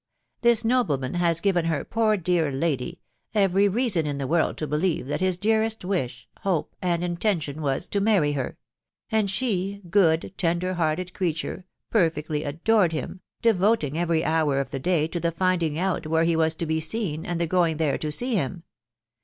This nobleman has given her, poor dear lady ! every reason in the world to believe that his dearest wish, hope, and intention was to marry her ; and shs, good, tender hearted creature ! perfectly adored him, de voting every hour of the day to the finding out where he was to be seen, and the going there to see him.